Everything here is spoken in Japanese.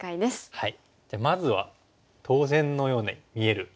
はい。